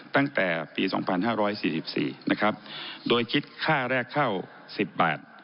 ตั้งแต่ปี๒๕๔๔นะครับโดยคิดค่าแรกเข้า๑๐บาท